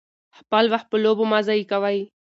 خپل وخت په لوبو مه ضایع کوئ.